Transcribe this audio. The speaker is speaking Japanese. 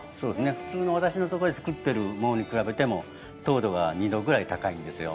普通の私のところで作ってるものと比べても糖度が２度くらい高いんですよ。